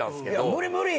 「無理無理！」